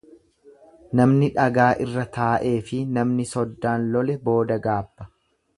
Namni dhagaa irra taa'eefi namni soddaan lole booda gaabba.